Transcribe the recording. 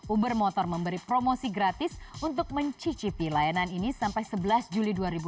uber motor memberi promosi gratis untuk mencicipi layanan ini sampai sebelas juli dua ribu dua puluh